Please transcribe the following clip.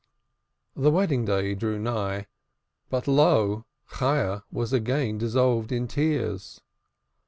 The wedding day drew nigh, but lo! Chayah was again dissolved in tears.